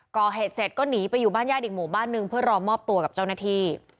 ก่อเหตุเสร็จก็หนีไปอยู่บ้านญาติอีกหมู่บ้านนึงเพื่อรอมอบตัวกับเจ้าหน้าที่